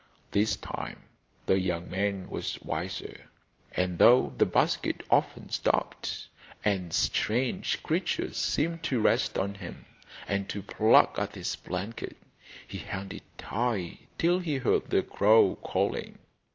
This time the young man was wiser, and though the basket often stopped, and strange creatures seemed to rest on him and to pluck at his blanket, he held it tight till he heard the crow calling.